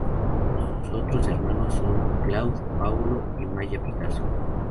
Sus otros hermanos son Claude, Paulo y Maya Picasso.